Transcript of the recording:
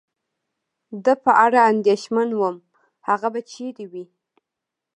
د په اړه اندېښمن ووم، هغه به چېرې و؟